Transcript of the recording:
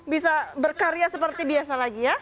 bisa berkarya seperti biasa lagi ya